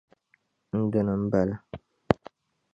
N-dini m-bala.